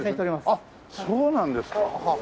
あっそうなんですか。